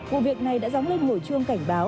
vụ việc này đã dóng lên hồi chuông cảnh báo